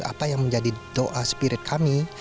apa yang menjadi doa spirit kami